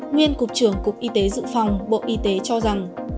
nguyên cục trưởng cục y tế dự phòng bộ y tế cho rằng